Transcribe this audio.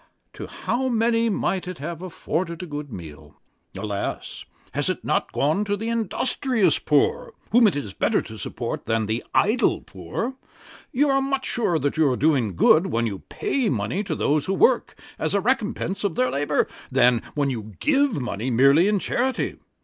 To how many might it have afforded a good meal. Alas! has it not gone to the industrious poor, whom it is better to support than the idle poor? You are much surer that you are doing good when you pay money to those who work, as the recompence of their labour, than when you give money merely in charity.